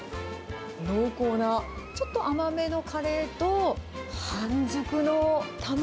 濃厚なちょっと甘めのカレーと、半熟の卵。